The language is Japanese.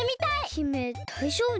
姫だいじょうぶですか？